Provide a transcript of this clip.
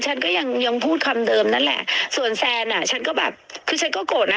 ฉันก็ยังยังพูดคำเดิมนั่นแหละส่วนแซนอ่ะฉันก็แบบคือฉันก็โกรธนะ